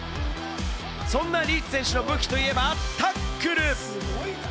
そんなリーチ選手の武器といえば、タックル。